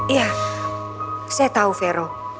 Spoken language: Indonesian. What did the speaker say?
iya saya tahu vero